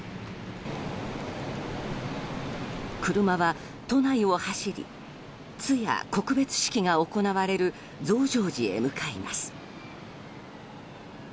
車は都内を走り通夜・告別式が行われる増上寺へ向かいます。